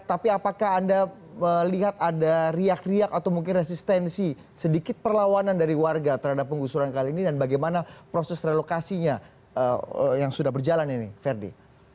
tapi apakah anda melihat ada riak riak atau mungkin resistensi sedikit perlawanan dari warga terhadap penggusuran kali ini dan bagaimana proses relokasinya yang sudah berjalan ini ferdi